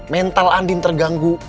mental andin terganggu